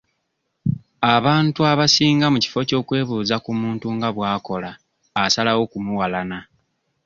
Abantu abasinga mu kifo ky'okwebuuza ku muntu nga bw'akola asalawo kumuwalana.